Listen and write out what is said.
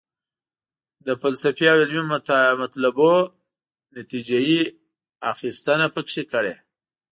د فلسفي او علمي مطلبونو نتیجه یې اخیستنه پکې کړې.